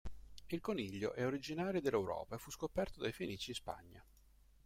Il coniglio è originario dell'Europa e fu scoperto dai Fenici in Spagna.